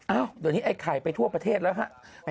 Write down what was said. อ้าวเดี๋ยวนี้ไอ้ไข่ไปทั่วประเทศแล้วฮะ